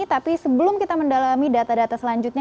tapi sebelum kita mendalami data data selanjutnya